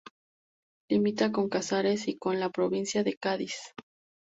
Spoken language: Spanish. Limita con Casares y con la provincia de Cádiz.